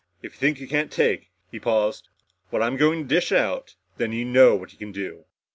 If you think you can't take" he paused "what I'm going to dish out, then you know what you can do.